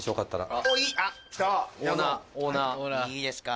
あっいいですか。